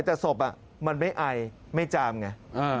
แต่สบอ่ะมันไม่ไอไม่จามไง